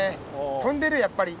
飛んでるやっぱり。